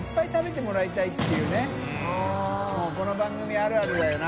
もうこの番組あるあるだよな。